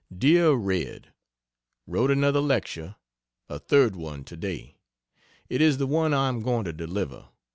DEAR RED, Wrote another lecture a third one today. It is the one I am going to deliver.